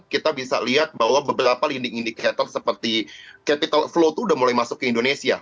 kita bisa lihat bahwa beberapa linding indicator seperti capital flow itu sudah mulai masuk ke indonesia